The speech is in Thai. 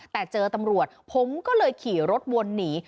แต่เจอตำรวจผมก็เลยขี่รถวนหนี